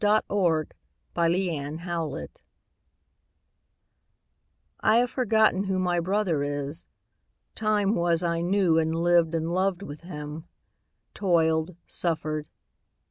AT EASE ON LETHE WHARF.*^ I have forgotten who my brother is. Time was I knew, and lived and loved with him; Toiled, suffered.